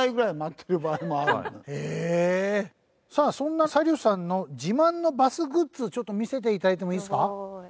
さあそんなサリュさんの自慢のバスグッズちょっと見せて頂いてもいいですか？